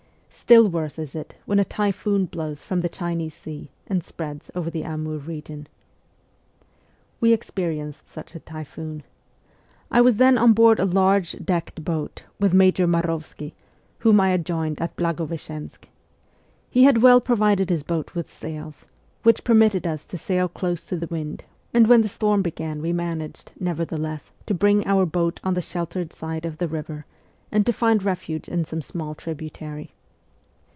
Still worse is it when a typhoon blows from the Chinese Sea and spreads over the Amur region. We experienced such a typhoon. I was then on board a large decked boat, with Major Marovsky, whom I had joined at Blagoveschensk. He had well provided his boat with sails, which permitted us to sail close to the wind, and when the storm began we managed, nevertheless, to bring our boat on the sheltered side of the river and to find refuge in some small tributary.